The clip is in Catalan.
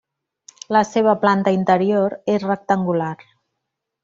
La seva planta interior és rectangular.